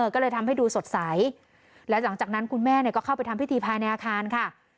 ก็เลยทำให้ดูสดใสและหลังจากนั้นคุณแม่ก็เข้าไปทำพิธีภายในอาคารค่ะ